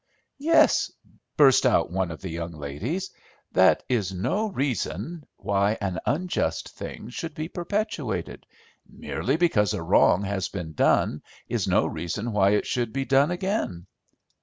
"Yes," burst out one of the young ladies, "that is no reason why an unjust thing should be perpetuated. Merely because a wrong has been done is no reason why it should be done again."